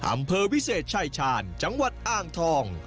อำเภอวิเศษชายชาญจังหวัดอ้างทอง